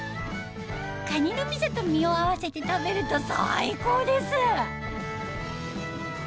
カニのみそと身を合わせて食べると最高です！